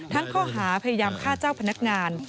ข้อหาพยายามฆ่าเจ้าพนักงาน